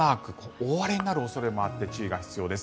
大荒れになる恐れもあって注意が必要です。